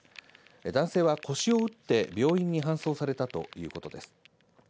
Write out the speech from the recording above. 男性が腰を打って病院に搬送されたということです。